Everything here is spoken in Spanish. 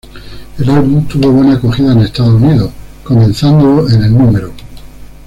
El álbum tuvo buena acogida en Estados Unidos, comenzando en el No.